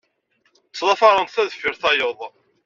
Ttemḍafarent ta deffir tayeḍ.